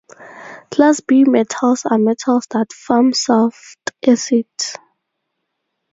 Class B metals are metals that form soft acids.